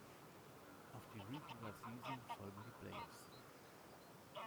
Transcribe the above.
Auf die Regular Season folgen die Playoffs.